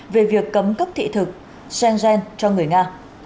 về việc cấm cấp thị thực schengen cho người nga